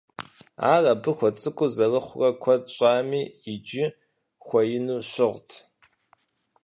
Ар абы хуэцӀыкӀу зэрыхъурэ куэд щӀами, иджы хуэину щыгът.